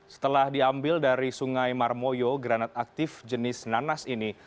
setelah diambil dari sungai marmoyo granat aktif jenis nanas ini